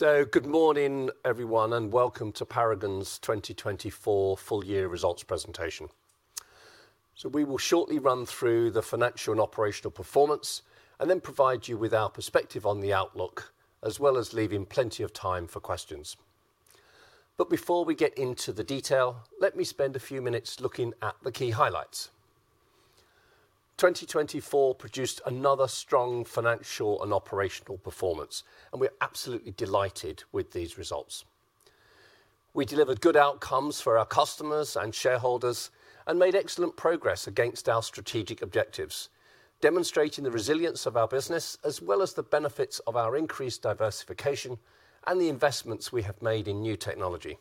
Good morning, everyone, and welcome to Paragon's 2024 full-year results presentation. We will shortly run through the financial and operational performance and then provide you with our perspective on the outlook, as well as leaving plenty of time for questions. Before we get into the detail, let me spend a few minutes looking at the key highlights. 2024 produced another strong financial and operational performance, and we're absolutely delighted with these results. We delivered good outcomes for our customers and shareholders, and made excellent progress against our strategic objectives, demonstrating the resilience of our business, as well as the benefits of our increased diversification and the investments we have made in new technology.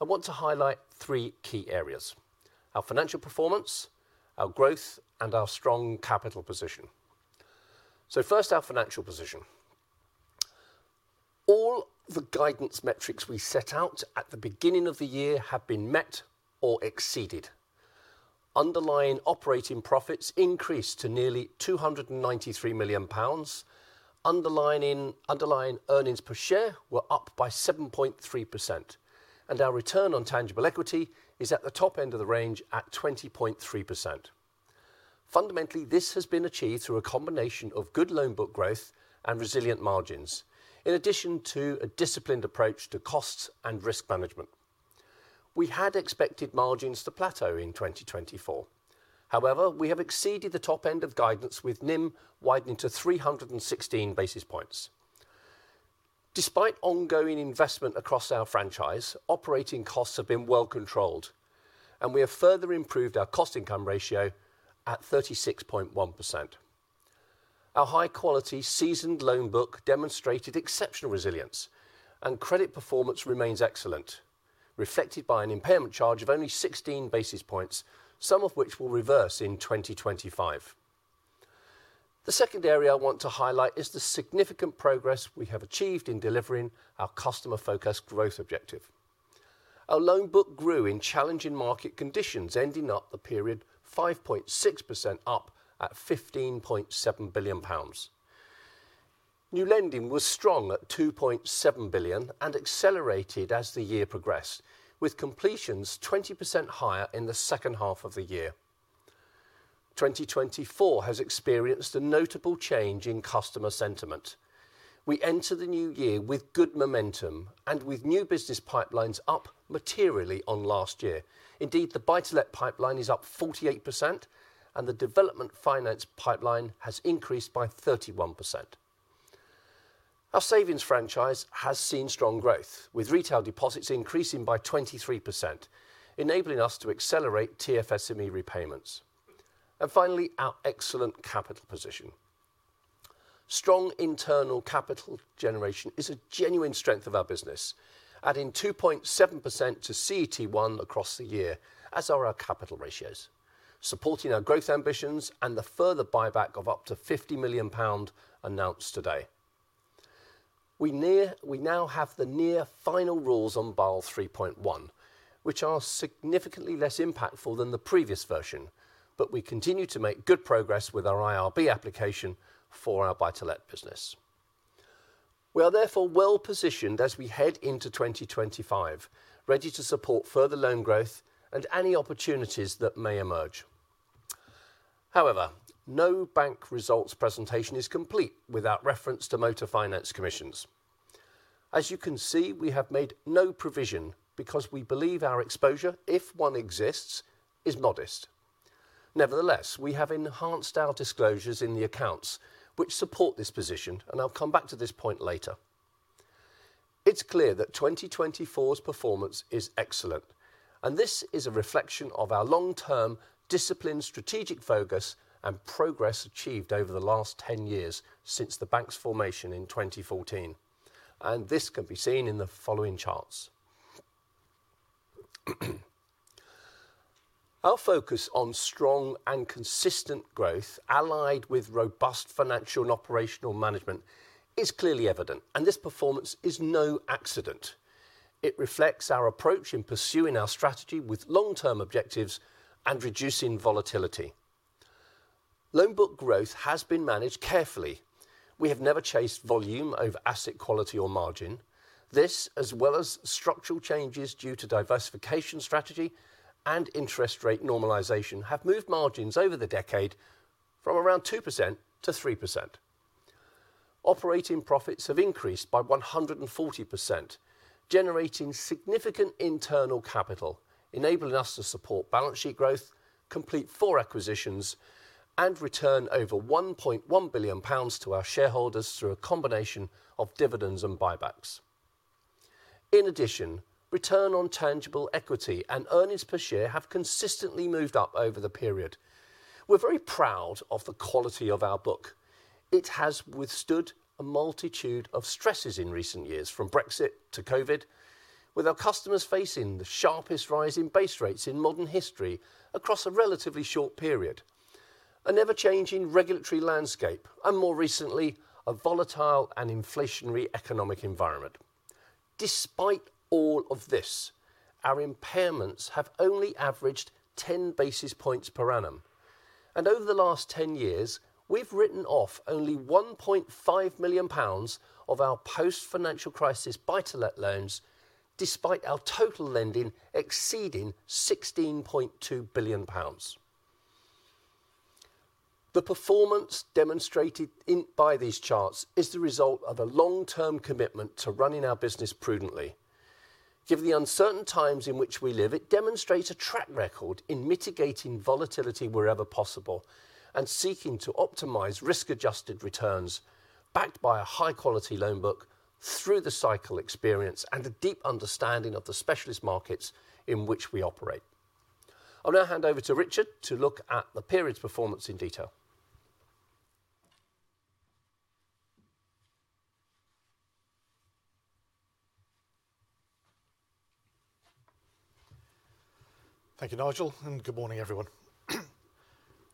I want to highlight three key areas: our financial performance, our growth, and our strong capital position. First, our financial position. All the guidance metrics we set out at the beginning of the year have been met or exceeded. Underlying operating profits increased to nearly 293 million pounds. Underlying earnings per share were up by 7.3%, and our return on tangible equity is at the top end of the range at 20.3%. Fundamentally, this has been achieved through a combination of good loan book growth and resilient margins, in addition to a disciplined approach to costs and risk management. We had expected margins to plateau in 2024. However, we have exceeded the top end of guidance, with NIM widening to 316 basis points. Despite ongoing investment across our franchise, operating costs have been well controlled, and we have further improved our cost-income ratio at 36.1%. Our high-quality, seasoned loan book demonstrated exceptional resilience, and credit performance remains excellent, reflected by an impairment charge of only 16 basis points, some of which will reverse in 2025. The second area I want to highlight is the significant progress we have achieved in delivering our customer-focused growth objective. Our loan book grew in challenging market conditions, ending the period 5.6% up at 15.7 billion pounds. New lending was strong at 2.7 billion and accelerated as the year progressed, with completions 20% higher in the second half of the year. 2024 has experienced a notable change in customer sentiment. We enter the new year with good momentum and with new business pipelines up materially on last year. Indeed, the Buy-to-let pipeline is up 48%, and the development finance pipeline has increased by 31%. Our savings franchise has seen strong growth, with retail deposits increasing by 23%, enabling us to accelerate TFSME repayments, and finally, our excellent capital position. Strong internal capital generation is a genuine strength of our business, adding 2.7% to CET1 across the year, as are our capital ratios, supporting our growth ambitions and the further buyback of up to 50 million pound announced today. We now have the near-final rules on Basel 3.1, which are significantly less impactful than the previous version, but we continue to make good progress with our IRB application for our buy-to-let business. We are therefore well positioned as we head into 2025, ready to support further loan growth and any opportunities that may emerge. However, no bank results presentation is complete without reference to motor finance commissions. As you can see, we have made no provision because we believe our exposure, if one exists, is modest. Nevertheless, we have enhanced our disclosures in the accounts, which support this position, and I'll come back to this point later. It's clear that 2024's performance is excellent, and this is a reflection of our long-term discipline, strategic focus, and progress achieved over the last 10 years since the bank's formation in 2014, and this can be seen in the following charts. Our focus on strong and consistent growth, allied with robust financial and operational management, is clearly evident, and this performance is no accident. It reflects our approach in pursuing our strategy with long-term objectives and reducing volatility. Loan book growth has been managed carefully. We have never chased volume over asset quality or margin. This, as well as structural changes due to diversification strategy and interest rate normalization, have moved margins over the decade from around 2%-3%. Operating profits have increased by 140%, generating significant internal capital, enabling us to support balance sheet growth, complete four acquisitions, and return over 1.1 billion pounds to our shareholders through a combination of dividends and buybacks. In addition, return on tangible equity and earnings per share have consistently moved up over the period. We're very proud of the quality of our book. It has withstood a multitude of stresses in recent years, from Brexit to COVID, with our customers facing the sharpest rise in base rates in modern history across a relatively short period, a never-changing regulatory landscape, and more recently, a volatile and inflationary economic environment. Despite all of this, our impairments have only averaged 10 basis points per annum, and over the last 10 years, we've written off only 1.5 million pounds of our post-financial crisis Buy-to-let loans, despite our total lending exceeding GBP 16.2 billion. The performance demonstrated by these charts is the result of a long-term commitment to running our business prudently. Given the uncertain times in which we live, it demonstrates a track record in mitigating volatility wherever possible and seeking to optimize risk-adjusted returns, backed by a high-quality loan book through the cycle experience and a deep understanding of the specialist markets in which we operate. I'll now hand over to Richard to look at the period's performance in detail. Thank you, Nigel, and good morning, everyone.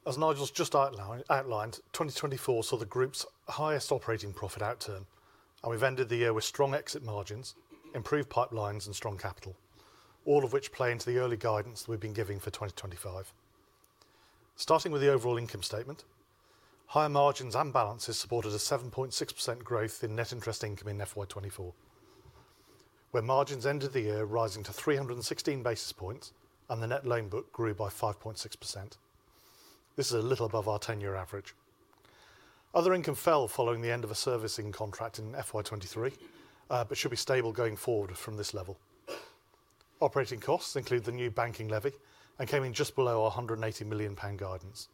As Nigel's just outlined, 2024 saw the group's highest operating profit outcome, and we've ended the year with strong exit margins, improved pipelines, and strong capital, all of which play into the early guidance we've been giving for 2025. Starting with the overall income statement, higher margins and balances supported a 7.6% growth in net interest income in FY 2024, where margins ended the year rising to 316 basis points and the net loan book grew by 5.6%. This is a little above our 10-year average. Other income fell following the end of a servicing contract in FY 2023, but should be stable going forward from this level. Operating costs include the new banking levy and came in just below our 180 million pound guidance.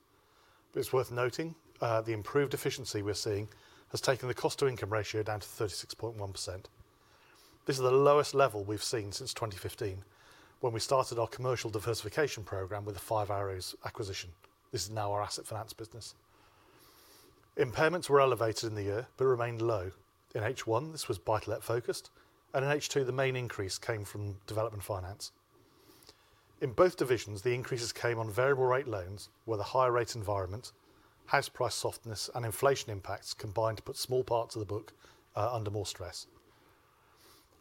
But it's worth noting the improved efficiency we're seeing has taken the cost-to-income ratio down to 36.1%. This is the lowest level we've seen since 2015 when we started our commercial diversification program with a Five Arrows acquisition. This is now our asset finance business. Impairments were elevated in the year but remained low. In H1, this was Buy-to-let-focused, and in H2, the main increase came from Development Finance. In both divisions, the increases came on variable-rate loans, where the higher-rate environment, house price softness, and inflation impacts combined to put small parts of the book under more stress.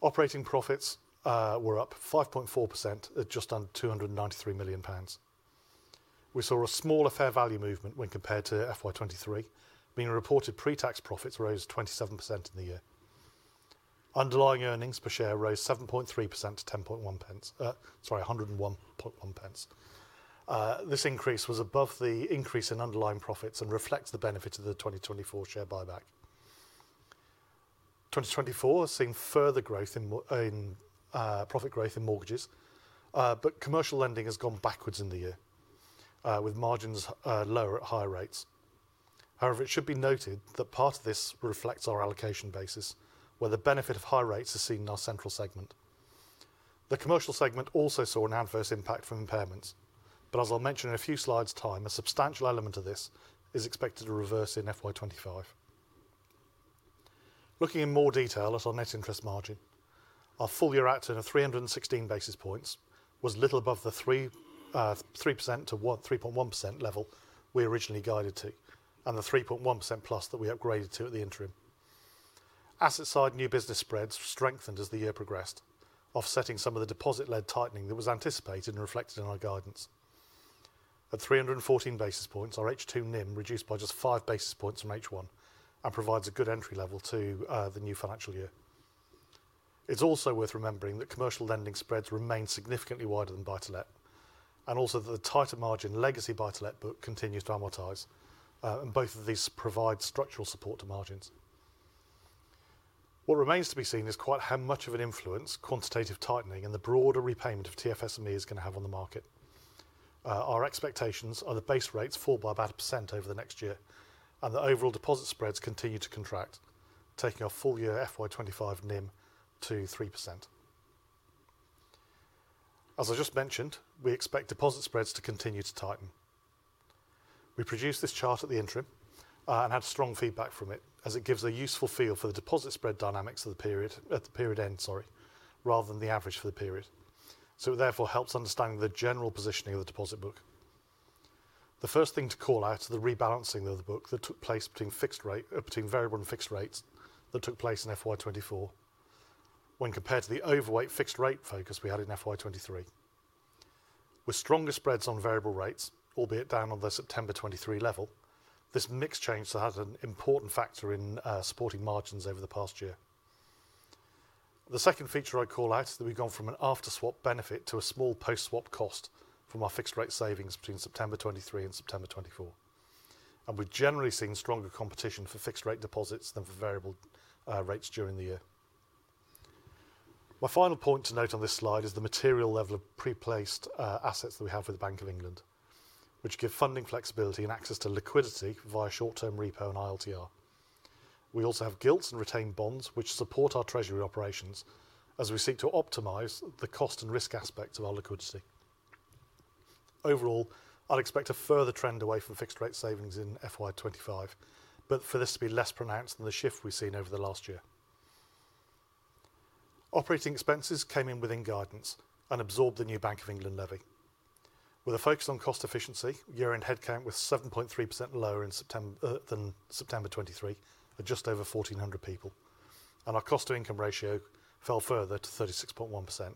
Operating profits were up 5.4% at just under 293 million pounds. We saw a smaller fair value movement when compared to FY 2023, meaning reported pre-tax profits rose 27% in the year. Underlying earnings per share rose 7.3%-0.1%. This increase was above the increase in underlying profits and reflects the benefit of the 2024 share buyback. 2024 has seen further growth in profit growth in mortgages, but commercial lending has gone backwards in the year, with margins lower at higher rates. However, it should be noted that part of this reflects our allocation basis, where the benefit of high rates is seen in our central segment. The commercial segment also saw an adverse impact from impairments, but as I'll mention in a few slides' time, a substantial element of this is expected to reverse in FY 2025. Looking in more detail at our net interest margin, our full-year NIM of 316 basis points was little above the 3%-3.1% level we originally guided to, and the 3.1%+ that we upgraded to at the interim. Asset-side new business spreads strengthened as the year progressed, offsetting some of the deposit-led tightening that was anticipated and reflected in our guidance. At 314 basis points, our H2 NIM reduced by just five basis points from H1 and provides a good entry level to the new financial year. It's also worth remembering that commercial lending spreads remain significantly wider than buy-to-let, and also that the tighter margin legacy buy-to-let book continues to amortize, and both of these provide structural support to margins. What remains to be seen is quite how much of an influence quantitative tightening and the broader repayment of TFSME is going to have on the market. Our expectations are the base rates fall by about 1% over the next year, and the overall deposit spreads continue to contract, taking our full-year FY 2025 NIM to 3%. As I just mentioned, we expect deposit spreads to continue to tighten. We produced this chart at the interim and had strong feedback from it, as it gives a useful feel for the deposit spread dynamics at the period end, rather than the average for the period, so it therefore helps understand the general positioning of the deposit book. The first thing to call out is the rebalancing of the book that took place between variable and fixed rates that took place in FY 2024, when compared to the overweight fixed-rate focus we had in FY 2023. With stronger spreads on variable rates, albeit down on the September 2023 level, this mix change has had an important factor in supporting margins over the past year. The second feature I call out is that we've gone from an after-swap benefit to a small post-swap cost from our fixed-rate savings between September 2023 and September 2024, and we've generally seen stronger competition for fixed-rate deposits than for variable rates during the year. My final point to note on this slide is the material level of pre-placed assets that we have with the Bank of England, which give funding flexibility and access to liquidity via short-term repo and ILTR. We also have gilts and retained bonds, which support our treasury operations as we seek to optimize the cost and risk aspect of our liquidity. Overall, I'd expect a further trend away from fixed-rate savings in FY 2025, but for this to be less pronounced than the shift we've seen over the last year. Operating expenses came in within guidance and absorbed the new Bank of England levy. With a focus on cost efficiency, year-end headcount was 7.3% lower than September 2023, at just over 1,400 people, and our cost-to-income ratio fell further to 36.1%.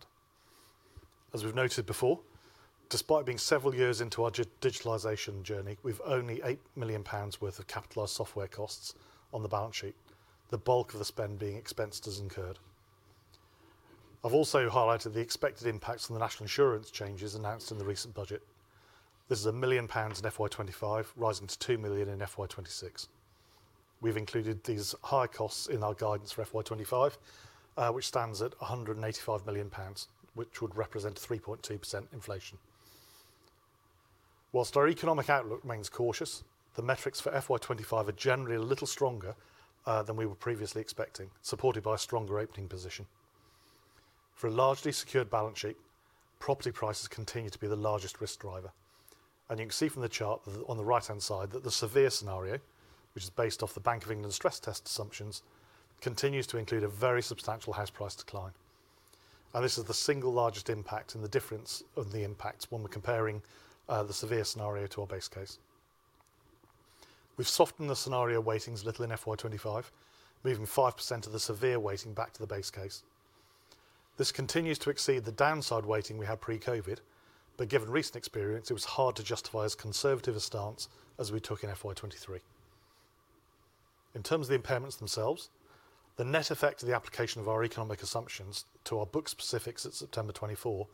As we've noted before, despite being several years into our digitalization journey, we've only 8 million pounds worth of capitalized software costs on the balance sheet, the bulk of the spend being expenses incurred. I've also highlighted the expected impacts on the National Insurance changes announced in the recent budget. This is 1 million pounds in FY 2025, rising to 2 million in FY 2026. We've included these high costs in our guidance for FY 2025, which stands at 185 million pounds, which would represent 3.2% inflation. While our economic outlook remains cautious, the metrics for FY 2025 are generally a little stronger than we were previously expecting, supported by a stronger opening position. For a largely secured balance sheet, property prices continue to be the largest risk driver, and you can see from the chart on the right-hand side that the severe scenario, which is based off the Bank of England stress test assumptions, continues to include a very substantial house price decline, and this is the single largest impact in the difference of the impacts when we're comparing the severe scenario to our base case. We've softened the scenario weightings a little in FY 2025, moving 5% of the severe weighting back to the base case. This continues to exceed the downside weighting we had pre-COVID, but given recent experience, it was hard to justify as conservative a stance as we took in FY 2023. In terms of the impairments themselves, the net effect of the application of our economic assumptions to our book specifics at September 24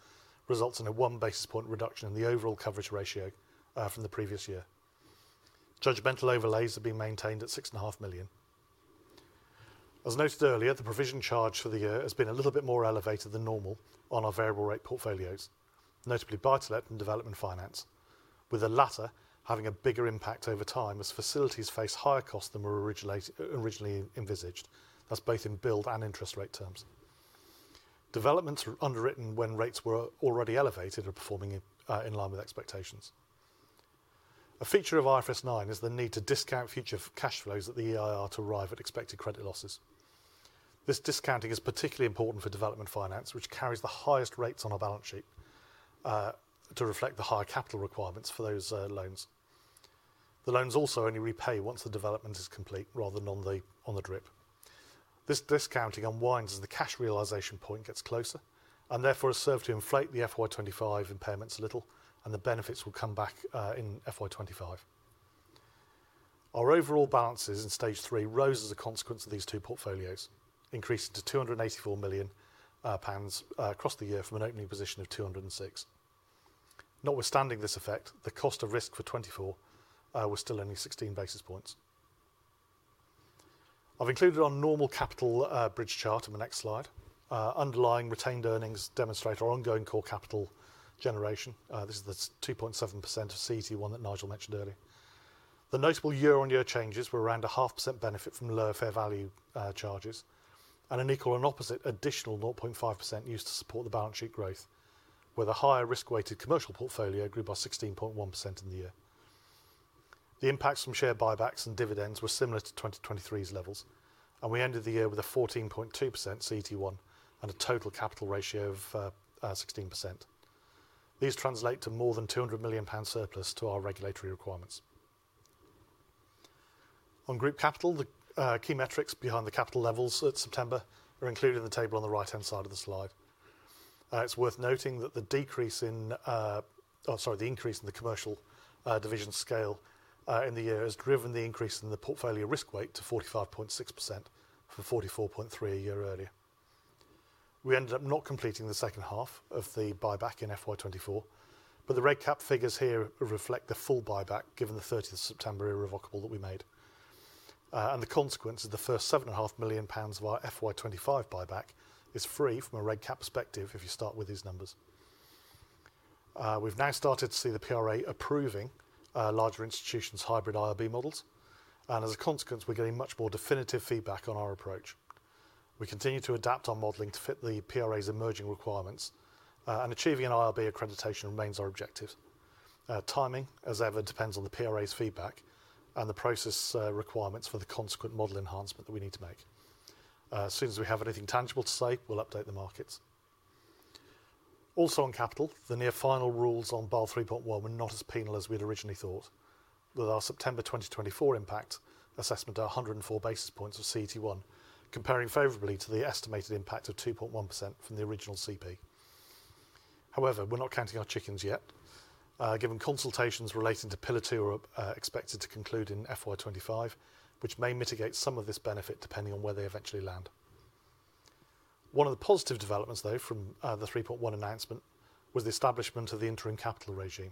results in a one basis point reduction in the overall coverage ratio from the previous year. Judgmental overlays have been maintained at 6.5 million. As noted earlier, the provision charge for the year has been a little bit more elevated than normal on our variable-rate portfolios, notably Buy-to-let and development finance, with the latter having a bigger impact over time as facilities face higher costs than were originally envisaged, that's both in build and interest rate terms. Developments were underwritten when rates were already elevated and performing in line with expectations. A feature of IFRS 9 is the need to discount future cash flows at the EIR to arrive at expected credit losses. This discounting is particularly important for development finance, which carries the highest rates on our balance sheet to reflect the higher capital requirements for those loans. The loans also only repay once the development is complete rather than on the drip. This discounting unwinds as the cash realization point gets closer and therefore has served to inflate the FY 2025 impairments a little, and the benefits will come back in FY 2025. Our overall balances in stage three rose as a consequence of these two portfolios, increasing to 284 million pounds across the year from an opening position of 206. Notwithstanding this effect, the cost of risk for 2024 was still only 16 basis points. I've included our normal capital bridge chart on the next slide. Underlying retained earnings demonstrate our ongoing core capital generation. This is the 2.7% of CET1 that Nigel mentioned earlier. The notable year-on-year changes were around a 0.5% benefit from lower fair value charges, and an equal and opposite additional 0.5% used to support the balance sheet growth, where the higher risk-weighted commercial portfolio grew by 16.1% in the year. The impacts from share buybacks and dividends were similar to 2023's levels, and we ended the year with a 14.2% CET1 and a total capital ratio of 16%. These translate to more than 200 million pound surplus to our regulatory requirements. On group capital, the key metrics behind the capital levels at September are included in the table on the right-hand side of the slide. It's worth noting that the decrease in, or sorry, the increase in the commercial division scale in the year has driven the increase in the portfolio risk weight to 45.6% from 44.3% a year earlier. We ended up not completing the second half of the buyback in FY 2024, but the Reg Cap figures here reflect the full buyback given the 30th of September irrevocable that we made, and the consequence is the first 7.5 million pounds of our FY 2025 buyback is free from a Reg Cap perspective if you start with these numbers. We've now started to see the PRA approving larger institutions' hybrid IRB models, and as a consequence, we're getting much more definitive feedback on our approach. We continue to adapt our modeling to fit the PRA's emerging requirements, and achieving an IRB accreditation remains our objective. Timing, as ever, depends on the PRA's feedback and the process requirements for the consequent model enhancement that we need to make. As soon as we have anything tangible to say, we'll update the markets. Also on capital, the near-final rules on Basel 3.1 were not as penal as we'd originally thought, with our September 2024 impact assessment at 104 basis points of CET1, comparing favorably to the estimated impact of 2.1% from the original CP. However, we're not counting our chickens yet, given consultations relating to Pillar two are expected to conclude in FY 2025, which may mitigate some of this benefit depending on where they eventually land. One of the positive developments, though, from the 3.1 announcement was the establishment of the interim capital regime.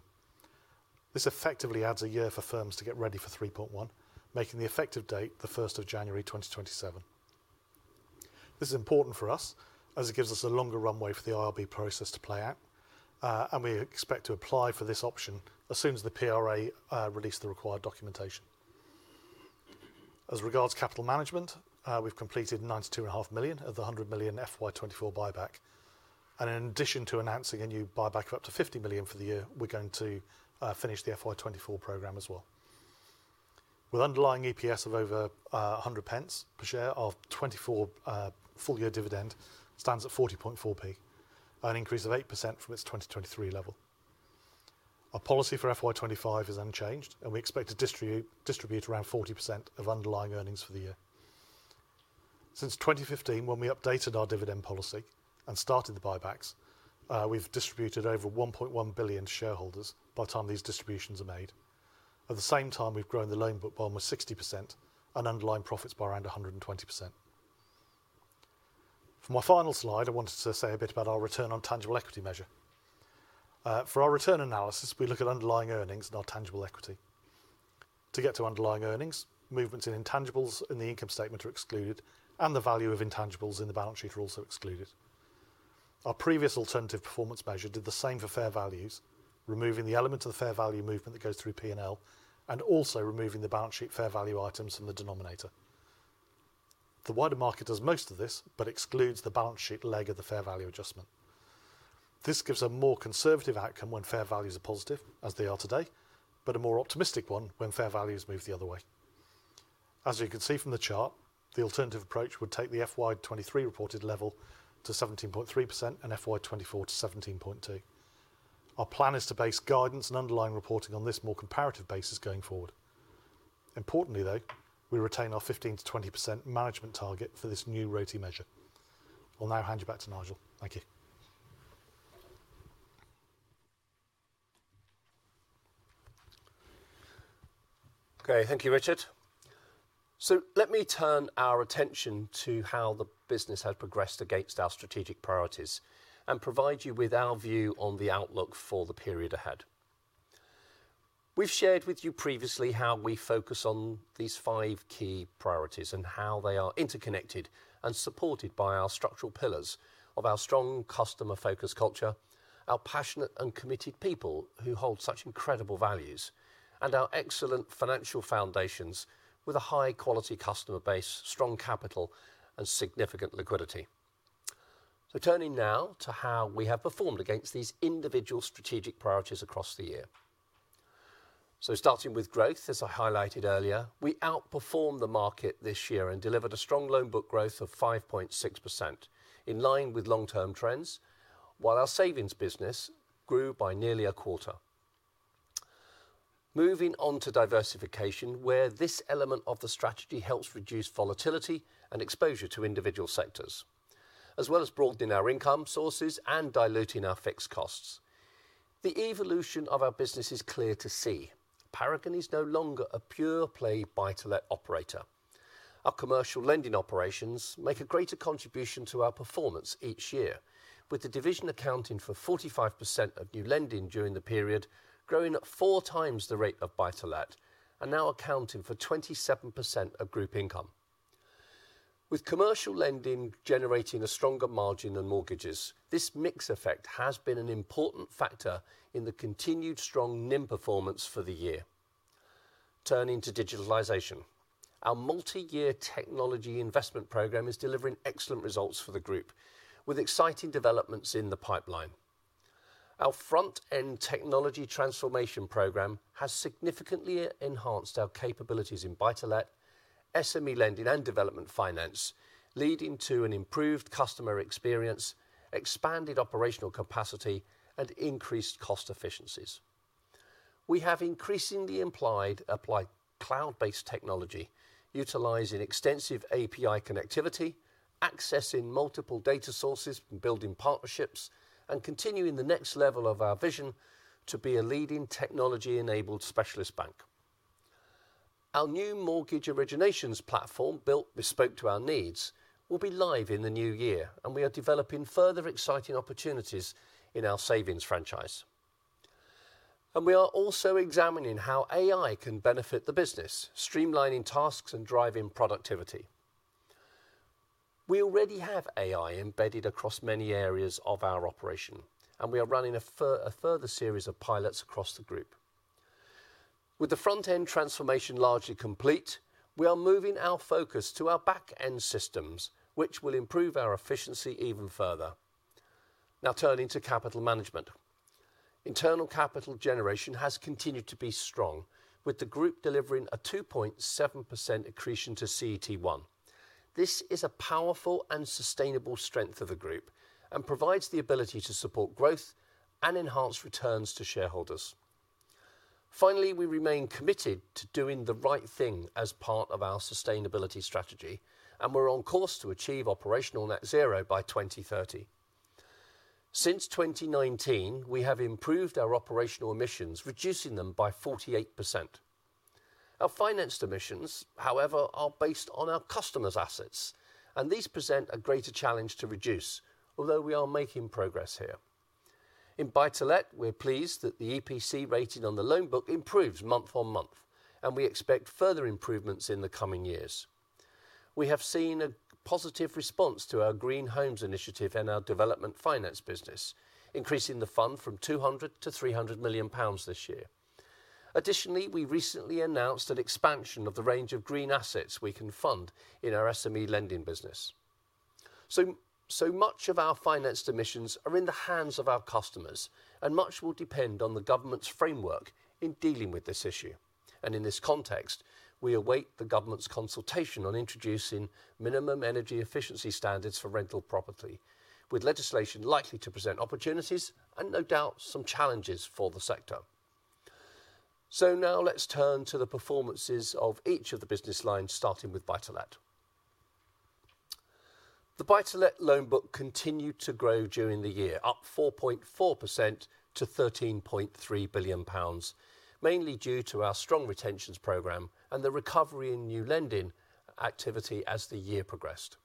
This effectively adds a year for firms to get ready for 3.1, making the effective date the 1st of January 2027. This is important for us as it gives us a longer runway for the IRB process to play out, and we expect to apply for this option as soon as the PRA releases the required documentation. As regards capital management, we've completed 92.5 million of the 100 million FY 2024 buyback, and in addition to announcing a new buyback of up to 50 million for the year, we're going to finish the FY 2024 program as well. With underlying EPS of over 100 per share of 24 full-year dividend, it stands at 40.4p, an increase of 8% from its 2023 level. Our policy for FY 2025 is unchanged, and we expect to distribute around 40% of underlying earnings for the year. Since 2015, when we updated our dividend policy and started the buybacks, we've distributed over 1.1 billion to shareholders by the time these distributions are made. At the same time, we've grown the loan book by almost 60% and underlying profits by around 120%. For my final slide, I wanted to say a bit about our return on tangible equity measure. For our return analysis, we look at underlying earnings and our tangible equity. To get to underlying earnings, movements in intangibles in the income statement are excluded, and the value of intangibles in the balance sheet are also excluded. Our previous alternative performance measure did the same for fair values, removing the element of the fair value movement that goes through P&L and also removing the balance sheet fair value items from the denominator. The wider market does most of this, but excludes the balance sheet leg of the fair value adjustment. This gives a more conservative outcome when fair values are positive, as they are today, but a more optimistic one when fair values move the other way. As you can see from the chart, the alternative approach would take the FY 2023 reported level to 17.3% and FY 2024 to 17.2%. Our plan is to base guidance and underlying reporting on this more comparative basis going forward. Importantly, though, we retain our 15%-20% management target for this new RoTE measure. I'll now hand you back to Nigel. Thank you. Okay, thank you, Richard. So let me turn our attention to how the business has progressed against our strategic priorities and provide you with our view on the outlook for the period ahead. We've shared with you previously how we focus on these five key priorities and how they are interconnected and supported by our structural pillars of our strong customer-focused culture, our passionate and committed people who hold such incredible values, and our excellent financial foundations with a high-quality customer base, strong capital, and significant liquidity. So turning now to how we have performed against these individual strategic priorities across the year. Starting with growth, as I highlighted earlier, we outperformed the market this year and delivered a strong loan book growth of 5.6% in line with long-term trends, while our savings business grew by nearly a quarter. Moving on to diversification, where this element of the strategy helps reduce volatility and exposure to individual sectors, as well as broadening our income sources and diluting our fixed costs. The evolution of our business is clear to see. Paragon is no longer a pure play Buy-to-let operator. Our commercial lending operations make a greater contribution to our performance each year, with the division accounting for 45% of new lending during the period, growing at four times the rate of Buy-to-let and now accounting for 27% of group income. With commercial lending generating a stronger margin than mortgages, this mix effect has been an important factor in the continued strong NIM performance for the year. Turning to digitalization, our multi-year technology investment program is delivering excellent results for the group, with exciting developments in the pipeline. Our front-end technology transformation program has significantly enhanced our capabilities in Buy-to-let, SME lending, and development finance, leading to an improved customer experience, expanded operational capacity, and increased cost efficiencies. We have increasingly applied cloud-based technology, utilizing extensive API connectivity, accessing multiple data sources, building partnerships, and continuing the next level of our vision to be a leading technology-enabled specialist bank. Our new mortgage originations platform, built bespoke to our needs, will be live in the new year, and we are developing further exciting opportunities in our savings franchise. We are also examining how AI can benefit the business, streamlining tasks and driving productivity. We already have AI embedded across many areas of our operation, and we are running a further series of pilots across the group. With the front-end transformation largely complete, we are moving our focus to our back-end systems, which will improve our efficiency even further. Now turning to capital management. Internal capital generation has continued to be strong, with the group delivering a 2.7% accretion to CET1. This is a powerful and sustainable strength of the group and provides the ability to support growth and enhance returns to shareholders. Finally, we remain committed to doing the right thing as part of our sustainability strategy, and we're on course to achieve operational net zero by 2030. Since 2019, we have improved our operational emissions, reducing them by 48%. Our financed emissions, however, are based on our customers' assets, and these present a greater challenge to reduce, although we are making progress here. In Buy-to-let, we're pleased that the EPC rating on the loan book improves month on month, and we expect further improvements in the coming years. We have seen a positive response to our Green Homes Initiative and our Development Finance business, increasing the fund from 200 million-300 million pounds this year. Additionally, we recently announced an expansion of the range of green assets we can fund in our SME Lending business. So much of our financed emissions are in the hands of our customers, and much will depend on the government's framework in dealing with this issue. In this context, we await the government's consultation on introducing minimum energy efficiency standards for rental property, with legislation likely to present opportunities and, no doubt, some challenges for the sector. Now let's turn to the performances of each of the business lines, starting with Buy-to-let. The Buy-to-let loan book continued to grow during the year, up 4.4%-GBP 13.3 billion, mainly due to our strong retentions program and the recovery in new lending activity as the year progressed.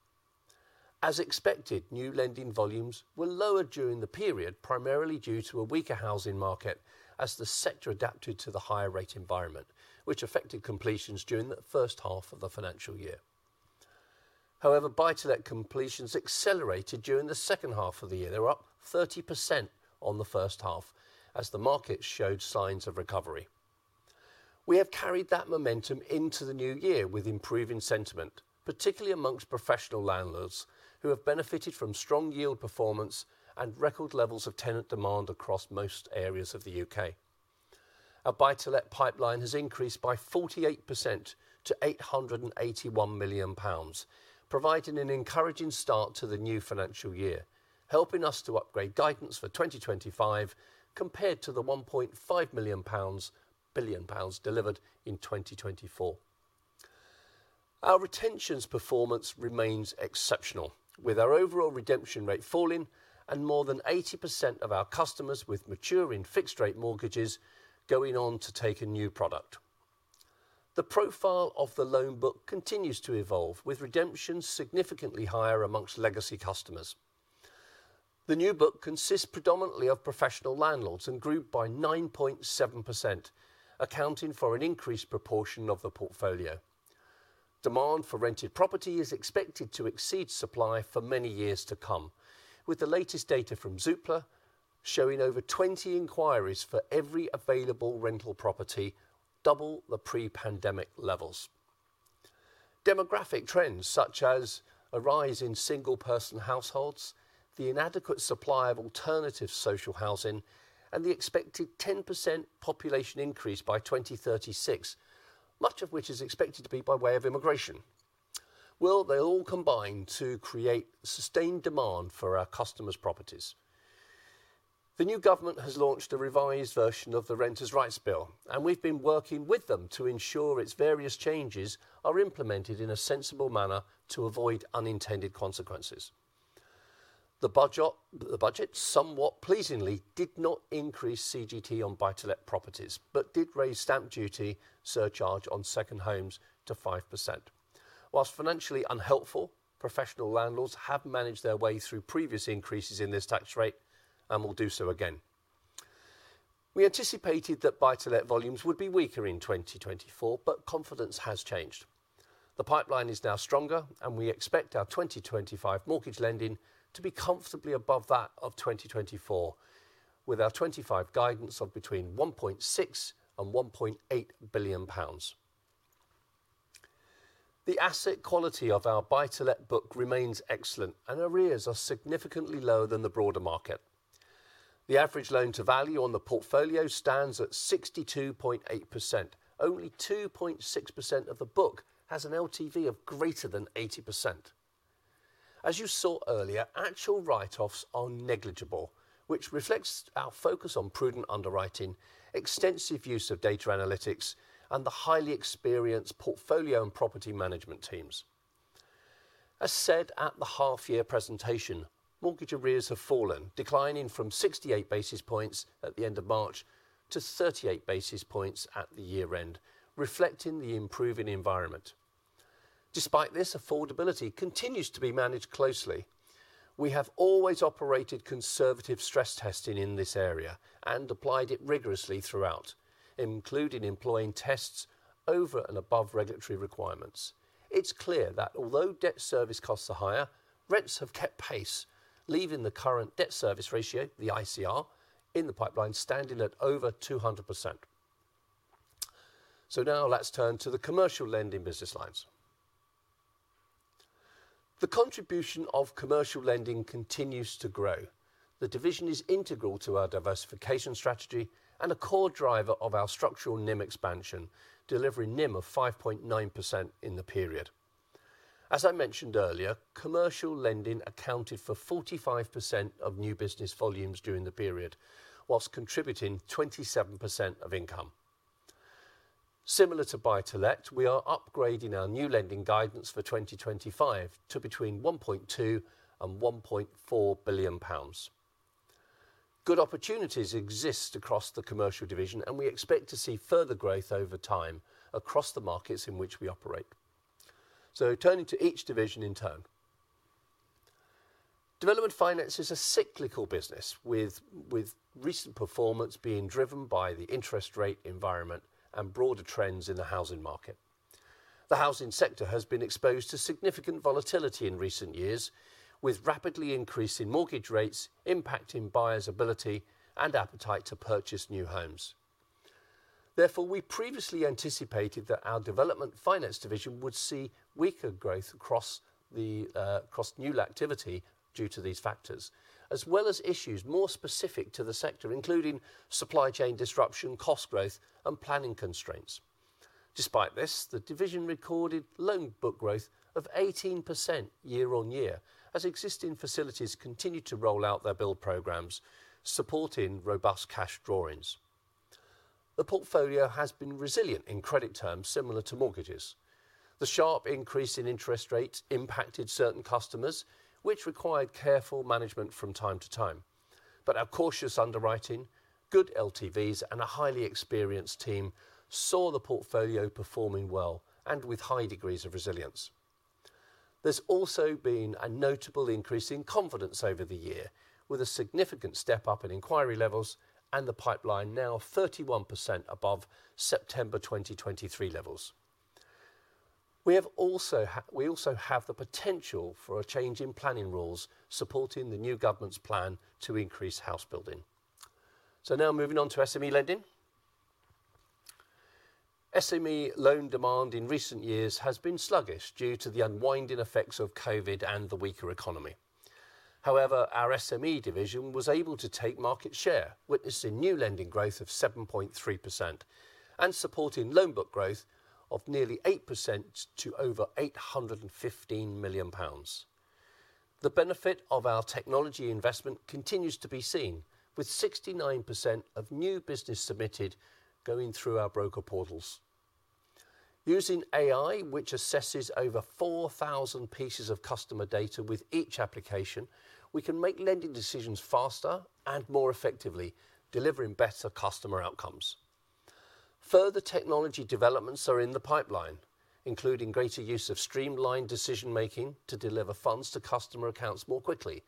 As expected, new lending volumes were lower during the period, primarily due to a weaker housing market as the sector adapted to the higher rate environment, which affected completions during the first half of the financial year. However, Buy-to-let completions accelerated during the second half of the year. They were up 30% on the first half as the market showed signs of recovery. We have carried that momentum into the new year with improving sentiment, particularly among professional landlords who have benefited from strong yield performance and record levels of tenant demand across most areas of the U.K.. Our Buy-to-let pipeline has increased by 48% to 881 million pounds, providing an encouraging start to the new financial year, helping us to upgrade guidance for 2025 compared to the 1.5 million pounds delivered in 2024. Our retentions performance remains exceptional, with our overall redemption rate falling and more than 80% of our customers with mature in fixed-rate mortgages going on to take a new product. The profile of the loan book continues to evolve, with redemptions significantly higher among legacy customers. The new book consists predominantly of professional landlords and grouped by 9.7%, accounting for an increased proportion of the portfolio. Demand for rented property is expected to exceed supply for many years to come, with the latest data from Zoopla showing over 20 inquiries for every available rental property, double the pre-pandemic levels. Demographic trends such as a rise in single-person households, the inadequate supply of alternative social housing, and the expected 10% population increase by 2036, much of which is expected to be by way of immigration, will they all combine to create sustained demand for our customers' properties? The new government has launched a revised version of the Renters' Rights Bill, and we've been working with them to ensure its various changes are implemented in a sensible manner to avoid unintended consequences. The budget, somewhat pleasingly, did not increase CGT on Buy-to-let properties but did raise stamp duty surcharge on second homes to 5%. While financially unhelpful, professional landlords have managed their way through previous increases in this tax rate and will do so again. We anticipated that Buy-to-let volumes would be weaker in 2024, but confidence has changed. The pipeline is now stronger, and we expect our 2025 mortgage lending to be comfortably above that of 2024, with our 2025 guidance of between 1.6 billion and 1.8 billion pounds. The asset quality of our Buy-to-let book remains excellent, and arrears are significantly lower than the broader market. The average loan to value on the portfolio stands at 62.8%. Only 2.6% of the book has an LTV of greater than 80%. As you saw earlier, actual write-offs are negligible, which reflects our focus on prudent underwriting, extensive use of data analytics, and the highly experienced portfolio and property management teams. As said at the half-year presentation, mortgage arrears have fallen, declining from 68 basis points at the end of March to 38 basis points at the year-end, reflecting the improving environment. Despite this, affordability continues to be managed closely. We have always operated conservative stress testing in this area and applied it rigorously throughout, including employing tests over and above regulatory requirements. It's clear that although debt service costs are higher, rents have kept pace, leaving the current debt service ratio, the ICR, in the pipeline, standing at over 200%. So now let's turn to the commercial lending business lines. The contribution of commercial lending continues to grow. The division is integral to our diversification strategy and a core driver of our structural NIM expansion, delivering NIM of 5.9% in the period. As I mentioned earlier, commercial lending accounted for 45% of new business volumes during the period, while contributing 27% of income. Similar to Buy-to-let, we are upgrading our new lending guidance for 2025 to between 1.2 billion and 1.4 billion pounds. Good opportunities exist across the commercial division, and we expect to see further growth over time across the markets in which we operate. So turning to each division in turn. Development finance is a cyclical business, with recent performance being driven by the interest rate environment and broader trends in the housing market. The housing sector has been exposed to significant volatility in recent years, with rapidly increasing mortgage rates impacting buyers' ability and appetite to purchase new homes. Therefore, we previously anticipated that our development finance division would see weaker growth across new activity due to these factors, as well as issues more specific to the sector, including supply chain disruption, cost growth, and planning constraints. Despite this, the division recorded loan book growth of 18% year-on-year as existing facilities continue to roll out their build programs, supporting robust cash drawings. The portfolio has been resilient in credit terms, similar to mortgages. The sharp increase in interest rates impacted certain customers, which required careful management from time to time. But our cautious underwriting, good LTVs, and a highly experienced team saw the portfolio performing well and with high degrees of resilience. There's also been a notable increase in confidence over the year, with a significant step up in inquiry levels and the pipeline now 31% above September 2023 levels. We also have the potential for a change in planning rules supporting the new government's plan to increase house building. So now moving on to SME lending. SME loan demand in recent years has been sluggish due to the unwinding effects of COVID and the weaker economy. However, our SME division was able to take market share, witnessing new lending growth of 7.3% and supporting loan book growth of nearly 8% to over 815 million pounds. The benefit of our technology investment continues to be seen, with 69% of new business submitted going through our broker portals. Using AI, which assesses over 4,000 pieces of customer data with each application, we can make lending decisions faster and more effectively, delivering better customer outcomes. Further technology developments are in the pipeline, including greater use of streamlined decision-making to deliver funds to customer accounts more quickly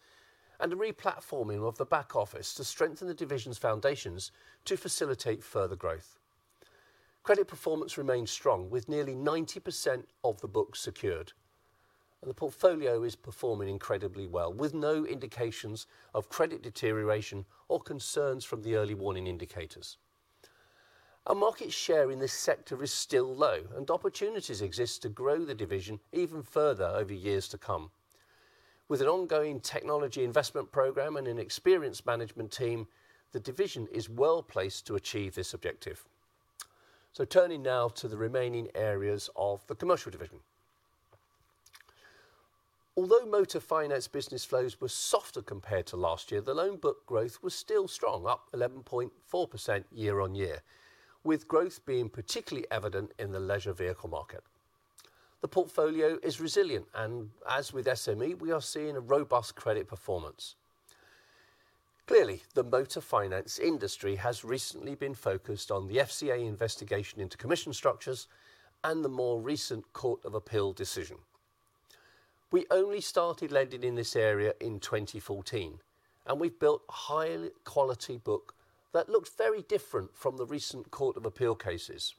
and a replatforming of the back office to strengthen the division's foundations to facilitate further growth. Credit performance remains strong, with nearly 90% of the book secured. The portfolio is performing incredibly well, with no indications of credit deterioration or concerns from the early warning indicators. Our market share in this sector is still low, and opportunities exist to grow the division even further over years to come. With an ongoing technology investment program and an experienced management team, the division is well placed to achieve this objective. So turning now to the remaining areas of the commercial division. Although motor finance business flows were softer compared to last year, the loan book growth was still strong, up 11.4% year-on-year, with growth being particularly evident in the leisure vehicle market. The portfolio is resilient, and as with SME, we are seeing a robust credit performance. Clearly, the motor finance industry has recently been focused on the FCA investigation into commission structures and the more recent Court of Appeal decision. We only started lending in this area in 2014, and we've built a high-quality book that looks very different from the recent Court of Appeal cases.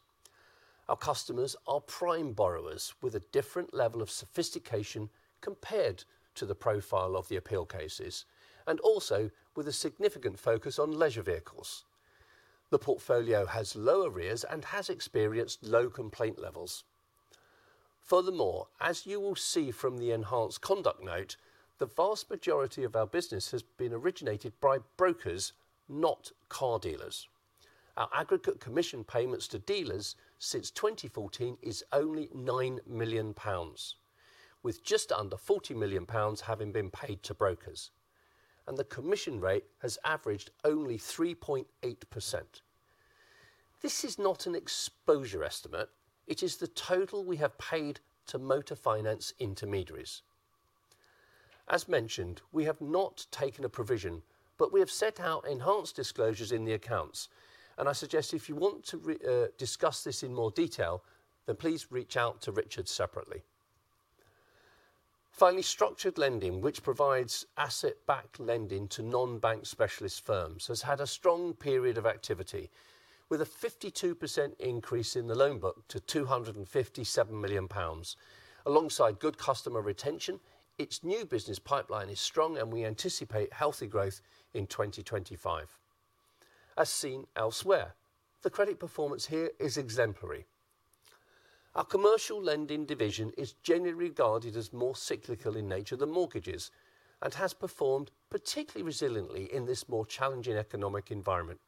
Our customers are prime borrowers with a different level of sophistication compared to the profile of the appeal cases and also with a significant focus on leisure vehicles. The portfolio has low arrears and has experienced low complaint levels. Furthermore, as you will see from the enhanced conduct note, the vast majority of our business has been originated by brokers, not car dealers. Our aggregate commission payments to dealers since 2014 is only 9 million pounds, with just under 40 million pounds having been paid to brokers, and the commission rate has averaged only 3.8%. This is not an exposure estimate. It is the total we have paid to motor finance intermediaries. As mentioned, we have not taken a provision, but we have set out enhanced disclosures in the accounts. And I suggest if you want to discuss this in more detail, then please reach out to Richard separately. Finally, structured lending, which provides asset-backed lending to non-bank specialist firms, has had a strong period of activity, with a 52% increase in the loan book to 257 million pounds. Alongside good customer retention, its new business pipeline is strong, and we anticipate healthy growth in 2025. As seen elsewhere, the credit performance here is exemplary. Our commercial lending division is generally regarded as more cyclical in nature than mortgages and has performed particularly resiliently in this more challenging economic environment.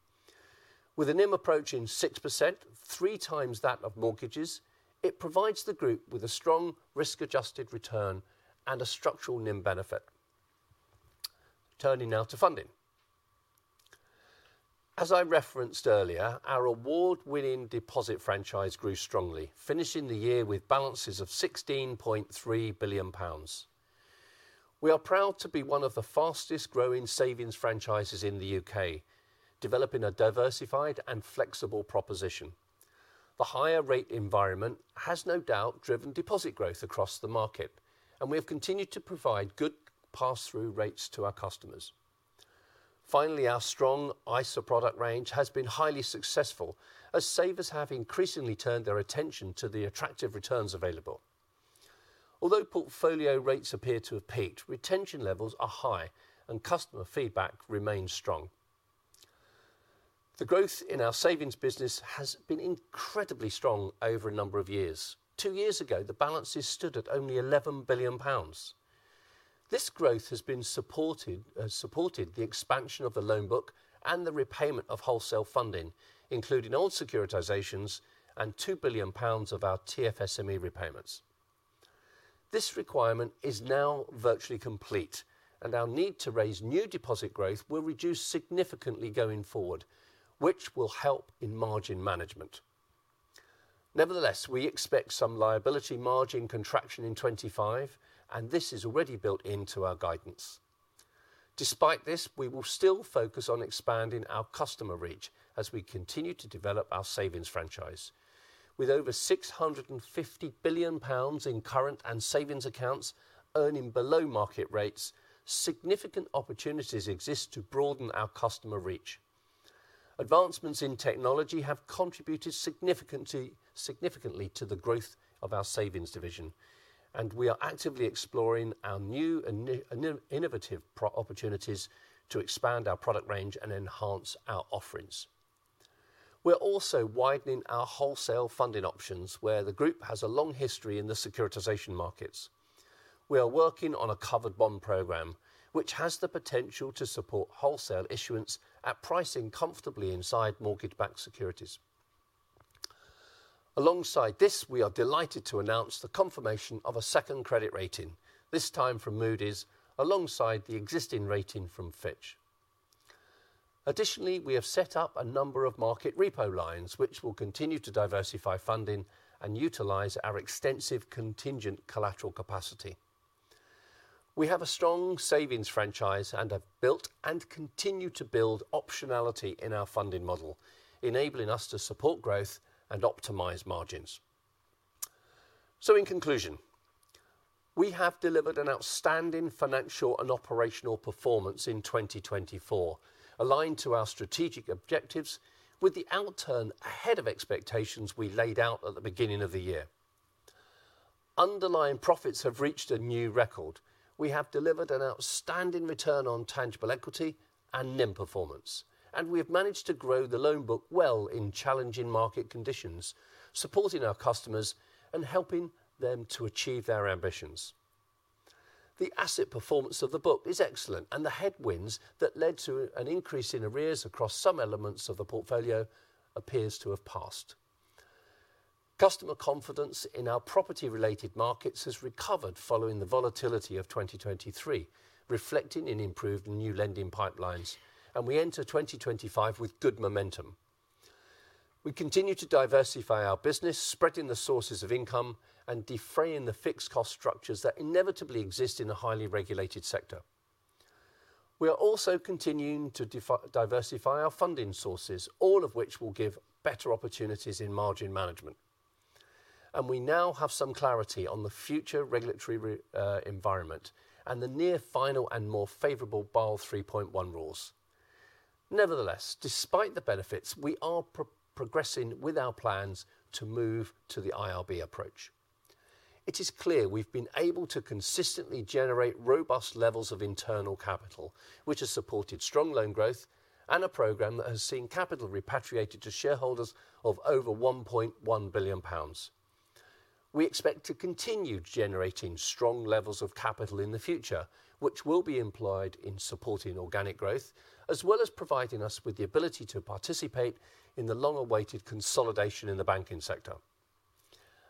With a NIM approaching 6%, three times that of mortgages, it provides the group with a strong risk-adjusted return and a structural NIM benefit. Turning now to funding. As I referenced earlier, our award-winning deposit franchise grew strongly, finishing the year with balances of 16.3 billion pounds. We are proud to be one of the fastest-growing savings franchises in the U.K., developing a diversified and flexible proposition. The higher-rate environment has no doubt driven deposit growth across the market, and we have continued to provide good pass-through rates to our customers. Finally, our strong ISA product range has been highly successful, as savers have increasingly turned their attention to the attractive returns available. Although portfolio rates appear to have peaked, retention levels are high, and customer feedback remains strong. The growth in our savings business has been incredibly strong over a number of years. Two years ago, the balances stood at only 11 billion pounds. This growth has supported the expansion of the loan book and the repayment of wholesale funding, including old securitizations and 2 billion pounds of our TFSME repayments. This requirement is now virtually complete, and our need to raise new deposit growth will reduce significantly going forward, which will help in margin management. Nevertheless, we expect some liability margin contraction in 2025, and this is already built into our guidance. Despite this, we will still focus on expanding our customer reach as we continue to develop our savings franchise. With over 650 billion pounds in current and savings accounts earning below market rates, significant opportunities exist to broaden our customer reach. Advancements in technology have contributed significantly to the growth of our savings division, and we are actively exploring our new and innovative opportunities to expand our product range and enhance our offerings. We're also widening our wholesale funding options, where the group has a long history in the securitization markets. We are working on a covered bond program, which has the potential to support wholesale issuance at pricing comfortably inside mortgage-backed securities. Alongside this, we are delighted to announce the confirmation of a second credit rating, this time from Moody's, alongside the existing rating from Fitch. Additionally, we have set up a number of market repo lines, which will continue to diversify funding and utilize our extensive contingent collateral capacity. We have a strong savings franchise and have built and continue to build optionality in our funding model, enabling us to support growth and optimize margins. So in conclusion, we have delivered an outstanding financial and operational performance in 2024, aligned to our strategic objectives with the outturn ahead of expectations we laid out at the beginning of the year. Underlying profits have reached a new record. We have delivered an outstanding return on tangible equity and NIM performance, and we have managed to grow the loan book well in challenging market conditions, supporting our customers and helping them to achieve their ambitions. The asset performance of the book is excellent, and the headwinds that led to an increase in arrears across some elements of the portfolio appear to have passed. Customer confidence in our property-related markets has recovered following the volatility of 2023, reflecting in improved new lending pipelines, and we enter 2025 with good momentum. We continue to diversify our business, spreading the sources of income and defraying the fixed cost structures that inevitably exist in a highly regulated sector. We are also continuing to diversify our funding sources, all of which will give better opportunities in margin management. And we now have some clarity on the future regulatory environment and the near-final and more favorable Basel 3.1 rules. Nevertheless, despite the benefits, we are progressing with our plans to move to the IRB approach. It is clear we've been able to consistently generate robust levels of internal capital, which has supported strong loan growth and a program that has seen capital repatriated to shareholders of over 1.1 billion pounds. We expect to continue generating strong levels of capital in the future, which will be employed in supporting organic growth, as well as providing us with the ability to participate in the long-awaited consolidation in the banking sector.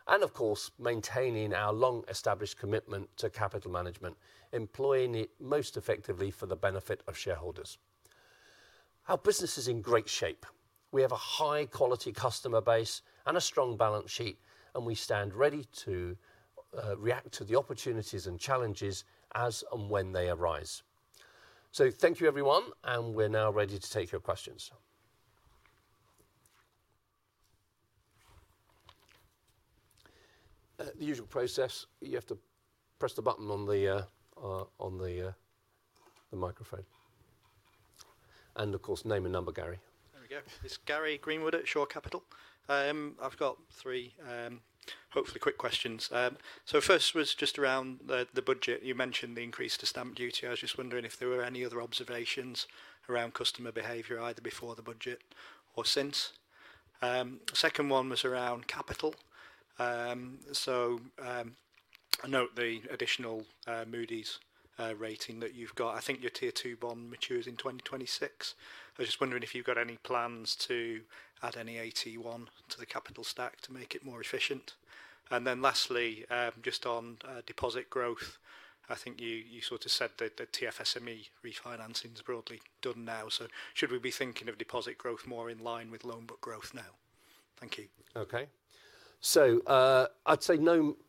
And of course, maintaining our long-established commitment to capital management, employing it most effectively for the benefit of shareholders. Our business is in great shape. We have a high-quality customer base and a strong balance sheet, and we stand ready to react to the opportunities and challenges as and when they arise. So thank you, everyone, and we're now ready to take your questions. The usual process, you have to press the button on the microphone. And of course, name and number, Gary. There we go. It's Gary Greenwood at Shore Capital. I've got three, hopefully, quick questions. So first was just around the budget. You mentioned the increase to Stamp Duty. I was just wondering if there were any other observations around customer behavior, either before the budget or since. The second one was around capital. So I note the additional Moody's rating that you've got. I think your tier two bond matures in 2026. I was just wondering if you've got any plans to add any AT1 to the capital stack to make it more efficient. And then lastly, just on deposit growth, I think you sort of said that the TFSME refinancing is broadly done now. So should we be thinking of deposit growth more in line with loan book growth now? Thank you. Okay. So I'd say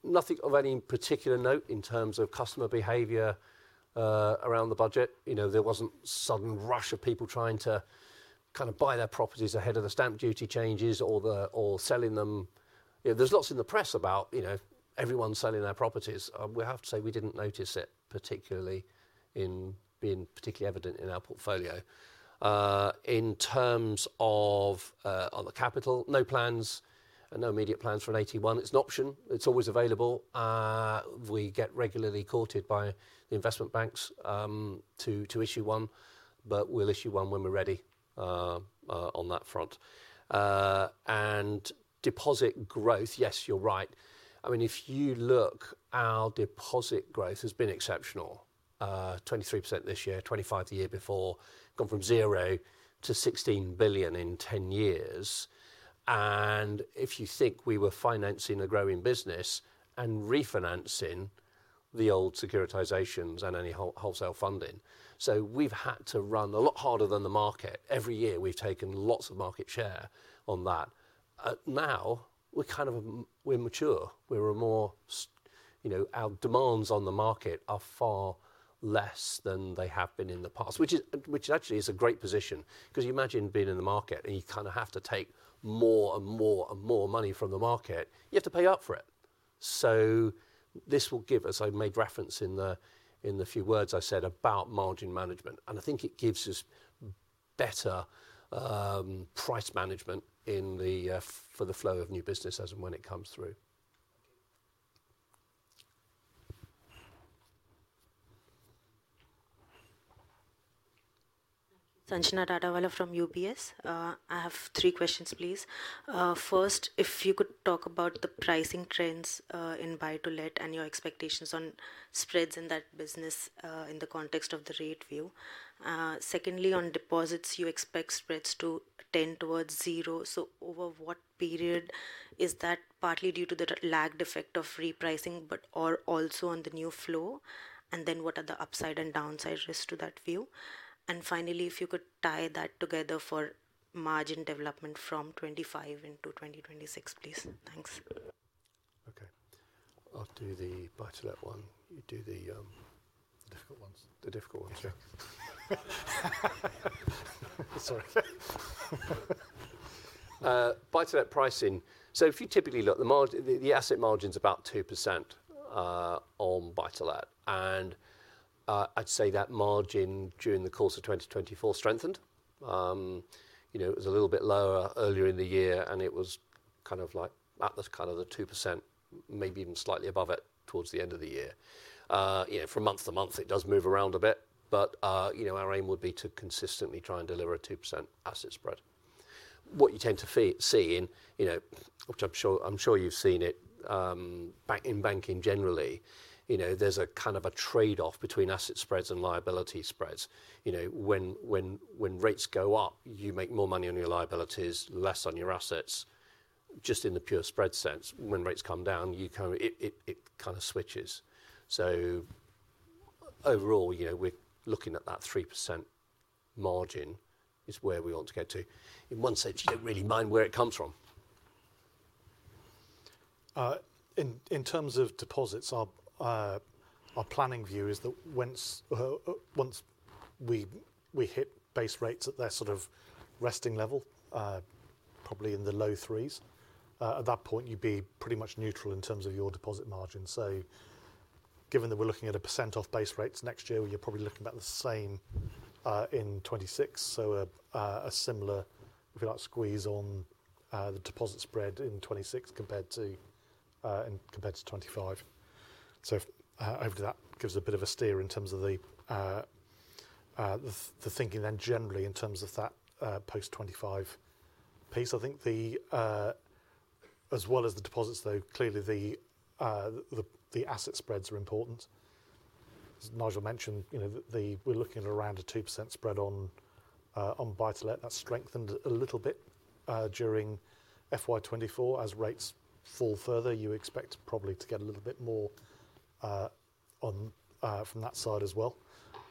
nothing of any particular note in terms of customer behavior around the budget. There wasn't a sudden rush of people trying to kind of buy their properties ahead of the Stamp Duty changes or selling them. There's lots in the press about everyone selling their properties. We have to say we didn't notice it particularly in being particularly evident in our portfolio. In terms of the capital, no plans, no immediate plans for an AT1. It's an option. It's always available. We get regularly courted by the investment banks to issue one, but we'll issue one when we're ready on that front, and deposit growth, yes, you're right. I mean, if you look, our deposit growth has been exceptional, 23% this year, 25% the year before, gone from zero to 16 billion in 10 years, and if you think we were financing a growing business and refinancing the old securitizations and any wholesale funding, so we've had to run a lot harder than the market. Every year, we've taken lots of market share on that. Now, we're kind of mature. We're more. Our demands on the market are far less than they have been in the past, which actually is a great position. Because you imagine being in the market and you kind of have to take more and more and more money from the market, you have to pay up for it. So this will give us. I made reference in the few words I said about margin management, and I think it gives us better price management for the flow of new business as and when it comes through. Thank you. Sanjana Dharnawala from UBS. I have three questions, please. First, if you could talk about the pricing trends in buy-to-let and your expectations on spreads in that business in the context of the rate view. Secondly, on deposits, you expect spreads to tend towards zero. So over what period? Is that partly due to the lagged effect of repricing, but also on the new flow? And then what are the upside and downside risks to that view? And finally, if you could tie that together for margin development from 2025 into 2026, please. Thanks. Okay. I'll do the buy-to-let one. You do the difficult ones. The difficult ones, yeah. Sorry. Buy-to-let pricing. So if you typically look, the asset margin's about 2% on buy-to-let. And I'd say that margin during the course of 2024 strengthened. It was a little bit lower earlier in the year, and it was kind of at the kind of the 2%, maybe even slightly above it towards the end of the year. From month to month, it does move around a bit, but our aim would be to consistently try and deliver a 2% asset spread. What you tend to see, which I'm sure you've seen in banking generally, there's a kind of a trade-off between asset spreads and liability spreads. When rates go up, you make more money on your liabilities, less on your assets, just in the pure spread sense. When rates come down, it kind of switches. So overall, we're looking at that 3% margin is where we want to get to. In one sense, you don't really mind where it comes from. In terms of deposits, our planning view is that once we hit base rates at their sort of resting level, probably in the low threes, at that point, you'd be pretty much neutral in terms of your deposit margin. So given that we're looking at 1% off base rates next year, you're probably looking about the same in 2026. So, a similar, if you like, squeeze on the deposit spread in 2026 compared to 2025, so hopefully that gives a bit of a steer in terms of the thinking then generally in terms of that post-2025 piece. I think as well as the deposits, though, clearly the asset spreads are important. As Nigel mentioned, we're looking at around a 2% spread on buy-to-let. That's strengthened a little bit during FY 2024. As rates fall further, you expect probably to get a little bit more from that side as well,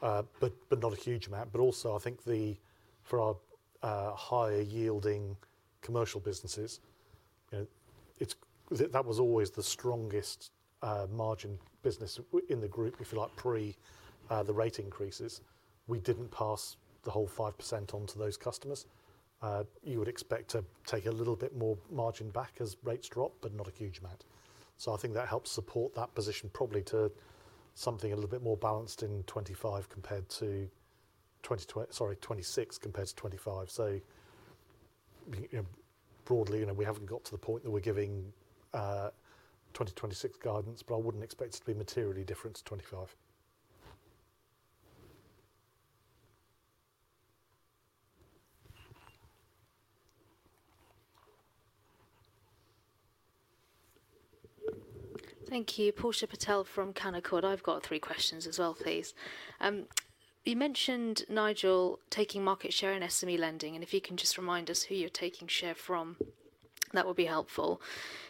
but not a huge amount, but also, I think for our higher-yielding commercial businesses, that was always the strongest margin business in the group, if you like, pre the rate increases. We didn't pass the whole 5% on to those customers. You would expect to take a little bit more margin back as rates drop, but not a huge amount. So I think that helps support that position probably to something a little bit more balanced in 2025 compared to 2026 compared to 2025. So broadly, we haven't got to the point that we're giving 2026 guidance, but I wouldn't expect it to be materially different to 2025. Thank you. Portia Patel from Canaccord. I've got three questions as well, please. You mentioned, Nigel, taking market share in SME lending. And if you can just remind us who you're taking share from, that would be helpful.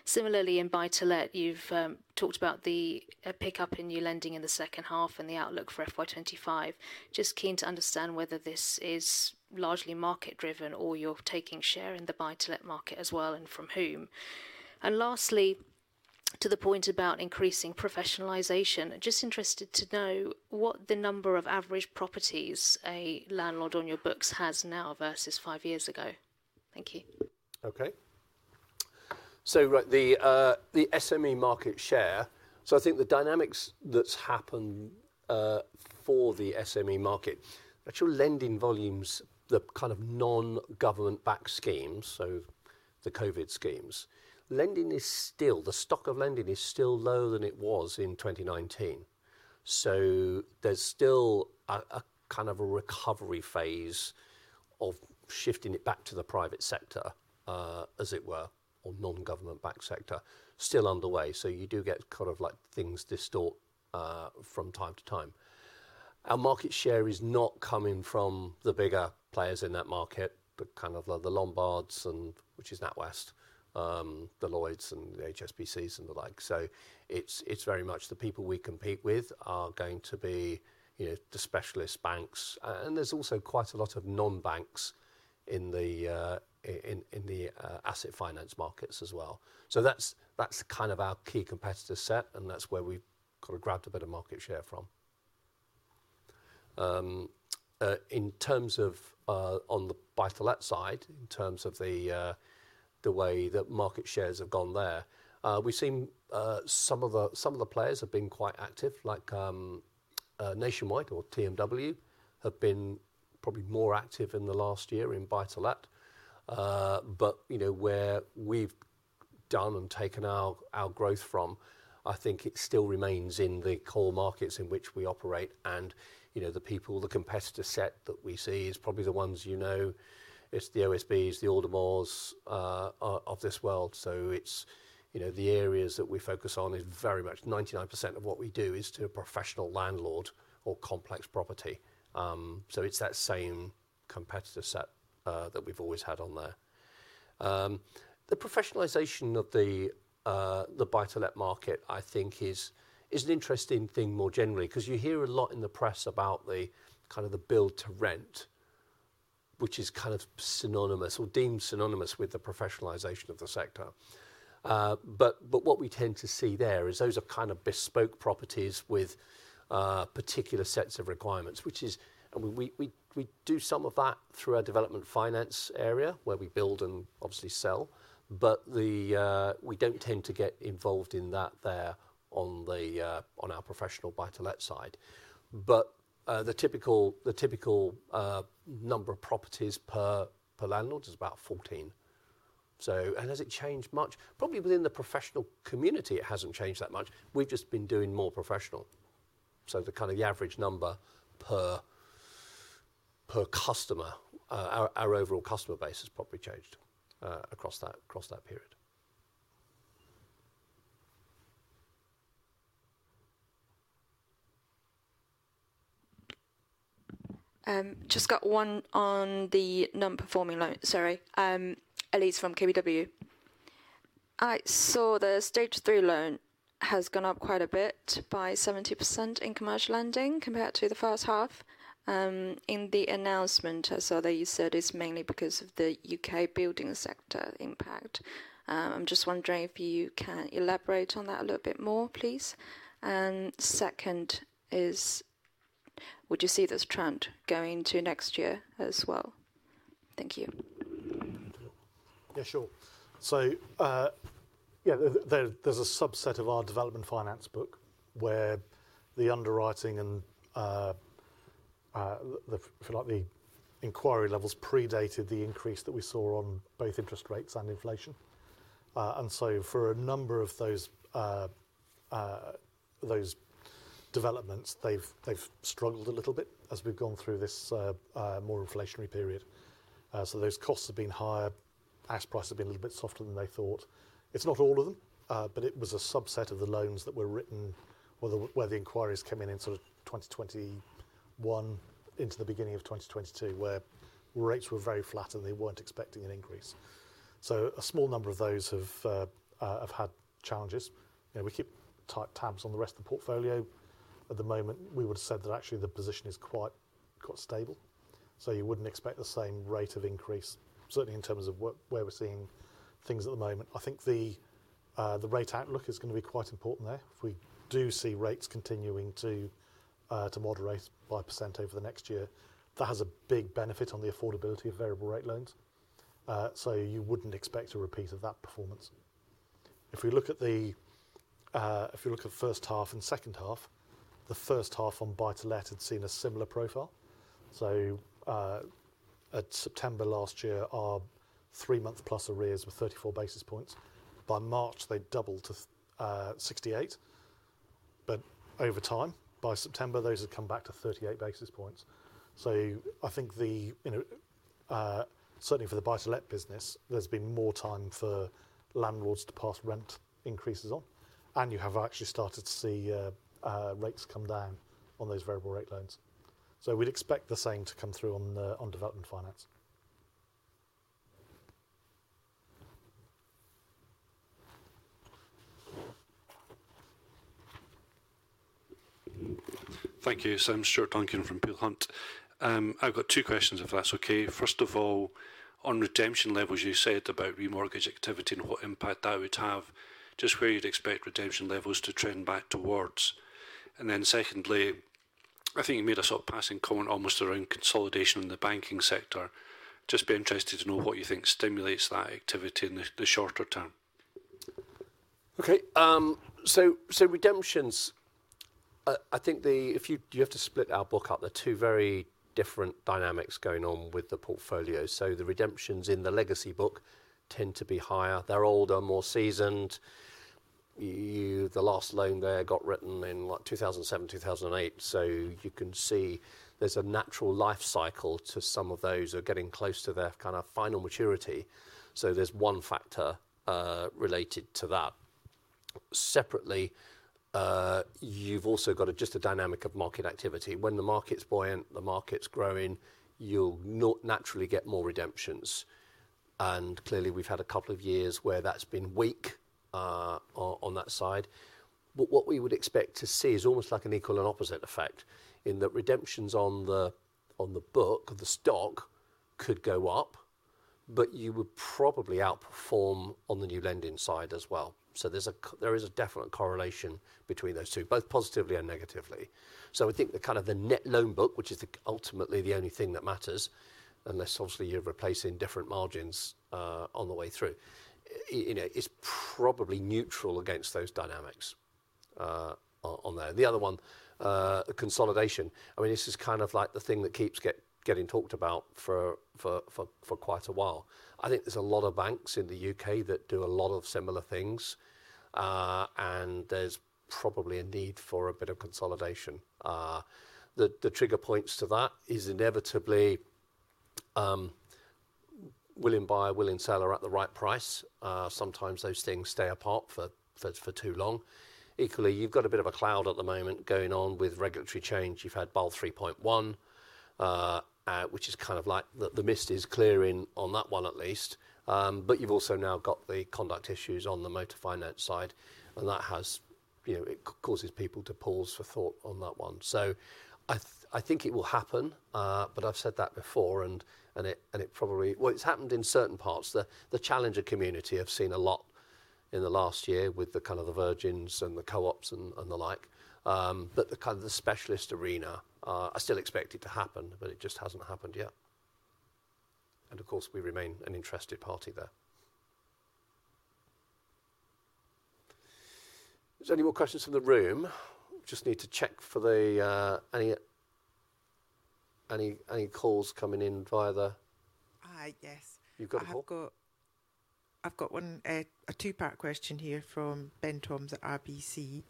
Similarly, in buy-to-let, you've talked about the pickup in new lending in the second half and the outlook for FY 2025. Just keen to understand whether this is largely market-driven or you're taking share in the buy-to-let market as well and from whom. And lastly, to the point about increasing professionalization, just interested to know what the number of average properties a landlord on your books has now versus five years ago. Thank you. Okay. So the SME market share, so I think the dynamics that's happened for the SME market, actual lending volumes, the kind of non-government-backed schemes, so the COVID schemes, lending is still the stock of lending is still lower than it was in 2019. So there's still a kind of a recovery phase of shifting it back to the private sector, as it were, or non-government-backed sector, still underway. So you do get kind of like things distort from time to time. Our market share is not coming from the bigger players in that market, but kind of the Lombard, which is NatWest, Lloyds, and the HSBCs and the like. So it's very much the people we compete with are going to be the specialist banks. And there's also quite a lot of non-banks in the asset finance markets as well. So that's kind of our key competitor set, and that's where we've kind of grabbed a bit of market share from. In terms of on the buy-to-let side, in terms of the way that market shares have gone there, we've seen some of the players have been quite active, like Nationwide or TMW have been probably more active in the last year in buy-to-let. But where we've done and taken our growth from, I think it still remains in the core markets in which we operate. And the people, the competitor set that we see is probably the ones you know. It's the OSBs, the Aldermores of this world. The areas that we focus on is very much 99% of what we do is to a professional landlord or complex property. It's that same competitor set that we've always had on there. The professionalization of the buy-to-let market, I think, is an interesting thing more generally because you hear a lot in the press about the kind of the build-to-rent, which is kind of synonymous or deemed synonymous with the professionalization of the sector. But what we tend to see there is those are kind of bespoke properties with particular sets of requirements, which is we do some of that through our development finance area where we build and obviously sell. But we don't tend to get involved in that there on our professional buy-to-let side. But the typical number of properties per landlord is about 14. And has it changed much? Probably within the professional community, it hasn't changed that much. We've just been doing more professional. So the kind of the average number per customer, our overall customer base has probably changed across that period. Just got one on the non-performing loan. Sorry. Elise from KBW. I saw the Stage Three loan has gone up quite a bit by 70% in commercial lending compared to the first half. In the announcement, I saw that you said it's mainly because of the U.K. building sector impact. I'm just wondering if you can elaborate on that a little bit more, please. And second is, would you see this trend going into next year as well? Thank you. Yeah, sure. So yeah, there's a subset of our development finance book where the underwriting and, if you like, the inquiry levels predated the increase that we saw on both interest rates and inflation. For a number of those developments, they've struggled a little bit as we've gone through this more inflationary period. Those costs have been higher. Asset prices have been a little bit softer than they thought. It's not all of them, but it was a subset of the loans that were written where the inquiries came in in sort of 2021 into the beginning of 2022 where rates were very flat and they weren't expecting an increase. A small number of those have had challenges. We keep tabs on the rest of the portfolio. At the moment, we would have said that actually the position is quite stable. You wouldn't expect the same rate of increase, certainly in terms of where we're seeing things at the moment. I think the rate outlook is going to be quite important there. If we do see rates continuing to moderate by 1% over the next year, that has a big benefit on the affordability of variable rate loans. So you wouldn't expect a repeat of that performance. If we look at first half and second half, the first half on buy-to-let had seen a similar profile. So at September last year, our three-month plus arrears were 34 basis points. By March, they doubled to 68. But over time, by September, those have come back to 38 basis points. So I think certainly for the buy-to-let business, there's been more time for landlords to pass rent increases on. And you have actually started to see rates come down on those variable rate loans. So we'd expect the same to come through on development finance. Thank you. Sam Stuart from Peel Hunt. I've got two questions if that's okay. First of all, on redemption levels, you said about remortgage activity and what impact that would have, just where you'd expect redemption levels to trend back towards. And then secondly, I think you made a sort of passing comment almost around consolidation in the banking sector. Just be interested to know what you think stimulates that activity in the shorter term. Okay. So redemptions, I think if you have to split our book up, there are two very different dynamics going on with the portfolio. So the redemptions in the legacy book tend to be higher. They're older, more seasoned. The last loan there got written in like 2007, 2008. So you can see there's a natural life cycle to some of those who are getting close to their kind of final maturity. So there's one factor related to that. Separately, you've also got just a dynamic of market activity. When the market's buoyant, the market's growing, you'll naturally get more redemptions, and clearly, we've had a couple of years where that's been weak on that side, but what we would expect to see is almost like an equal and opposite effect in that redemptions on the book of the stock could go up, but you would probably outperform on the new lending side as well. So there is a definite correlation between those two, both positively and negatively, so I think the kind of the net loan book, which is ultimately the only thing that matters, unless obviously you're replacing different margins on the way through, is probably neutral against those dynamics on there. The other one, consolidation, I mean, this is kind of like the thing that keeps getting talked about for quite a while. I think there's a lot of banks in the U.K. that do a lot of similar things. And there's probably a need for a bit of consolidation. The trigger points to that is inevitably willing buyer, willing seller at the right price. Sometimes those things stay apart for too long. Equally, you've got a bit of a cloud at the moment going on with regulatory change. You've had Basel 3.1, which is kind of like the mist is clearing on that one at least. But you've also now got the conduct issues on the motor finance side. And that has it causes people to pause for thought on that one. So I think it will happen. But I've said that before. And it probably well, it's happened in certain parts. The challenger community I've seen a lot in the last year with the kind of the Virgins and the Co-ops and the like. But the kind of the specialist arena, I still expect it to happen, but it just hasn't happened yet. And of course, we remain an interested party there. Is there any more questions from the room? Just need to check for any calls coming in via the. Yes. You've got a call. I've got a two-part question here from Ben Toms at RBC.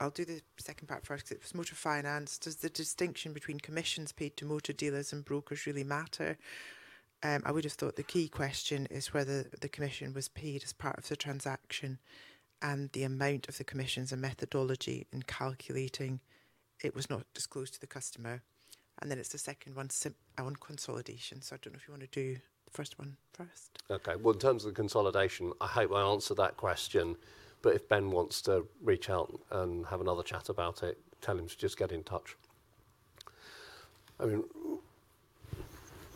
I'll do the second part first because it was motor finance. Does the distinction between commissions paid to motor dealers and brokers really matter? I would have thought the key question is whether the commission was paid as part of the transaction and the amount of the commissions and methodology in calculating it was not disclosed to the customer. And then it's the second one, on consolidation. So I don't know if you want to do the first one first. Okay. Well, in terms of the consolidation, I hope I answered that question. But if Ben wants to reach out and have another chat about it, tell him to just get in touch.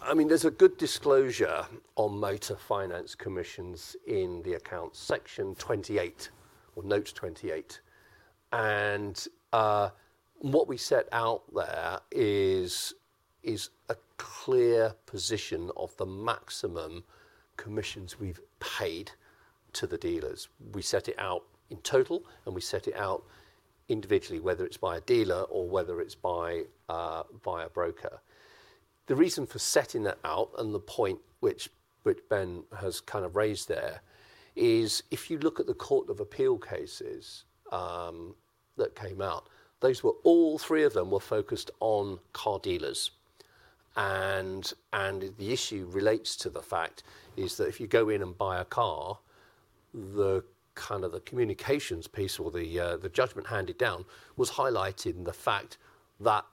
I mean, there's a good disclosure on motor finance commissions in the accounts section 28 or note 28. And what we set out there is a clear position of the maximum commissions we've paid to the dealers. We set it out in total, and we set it out individually, whether it's by a dealer or whether it's by a broker. The reason for setting that out and the point which Ben has kind of raised there is if you look at the Court of Appeal cases that came out, those were all three of them were focused on car dealers. And the issue relates to the fact is that if you go in and buy a car, the kind of the communications piece or the judgment handed down was highlighted in the fact that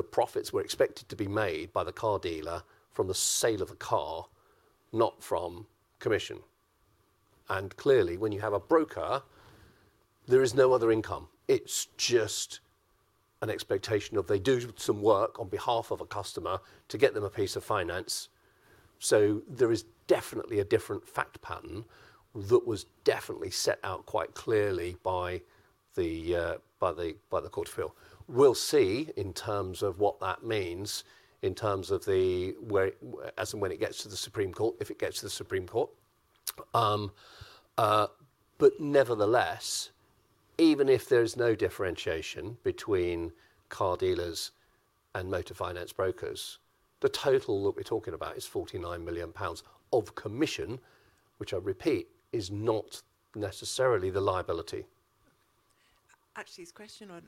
the profits were expected to be made by the car dealer from the sale of a car, not from commission. And clearly, when you have a broker, there is no other income. It's just an expectation of they do some work on behalf of a customer to get them a piece of finance. So there is definitely a different fact pattern that was definitely set out quite clearly by the Court of Appeal. We'll see in terms of what that means in terms of as and when it gets to the Supreme Court, if it gets to the Supreme Court. But nevertheless, even if there is no differentiation between car dealers and motor finance brokers, the total that we're talking about is 49 million pounds of commission, which I repeat, is not necessarily the liability. Actually, his question on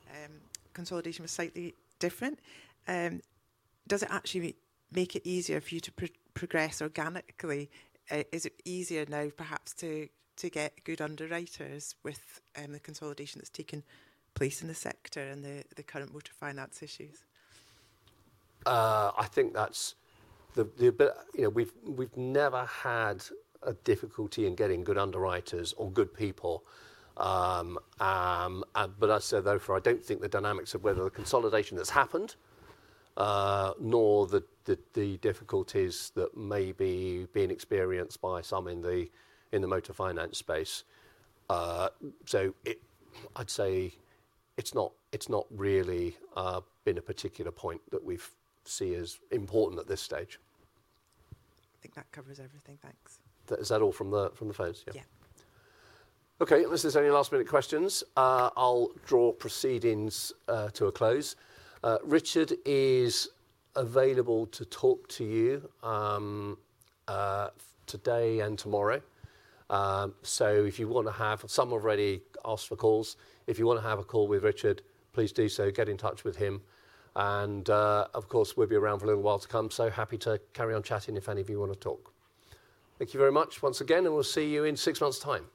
consolidation was slightly different. Does it actually make it easier for you to progress organically? Is it easier now perhaps to get good underwriters with the consolidation that's taken place in the sector and the current motor finance issues? I think that's the. We've never had a difficulty in getting good underwriters or good people. But I'd say, therefore, I don't think the dynamics of whether the consolidation has happened, nor the difficulties that may be being experienced by some in the motor finance space. So I'd say it's not really been a particular point that we see as important at this stage. I think that covers everything. Thanks. Is that all from the phones? Yeah. Okay. Unless there's any last minute questions, I'll draw proceedings to a close. Richard is available to talk to you today and tomorrow. So if you want to have some have already asked for calls, if you want to have a call with Richard, please do so. Get in touch with him. And of course, we'll be around for a little while to come. So happy to carry on chatting if any of you want to talk. Thank you very much once again, and we'll see you in six months' time.